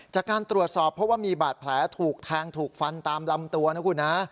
จากการตรวจสอบเพราะว่ามีบาดแผลถูกแทงถูกฟันตามลำตัวนะคุณนะ